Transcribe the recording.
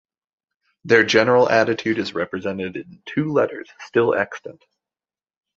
Their general attitude is represented in two letters still extant.